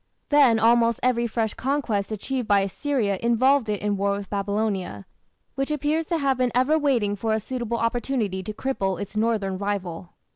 Then almost every fresh conquest achieved by Assyria involved it in war with Babylonia, which appears to have been ever waiting for a suitable opportunity to cripple its northern rival.